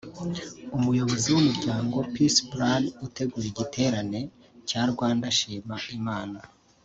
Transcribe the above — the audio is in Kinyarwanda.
umuyobozi w’Umuryango Peace Plan utegura igiterane cya ‘Rwanda shima Imana’